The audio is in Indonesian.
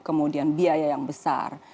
kemudian biaya yang besar